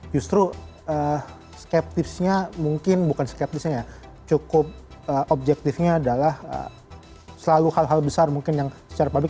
justru skeptisnya mungkin bukan skeptisnya ya cukup objektifnya adalah selalu hal hal besar mungkin yang secara publik